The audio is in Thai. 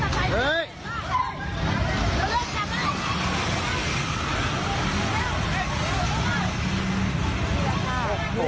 คุณสัตว์ไทยคิดดิ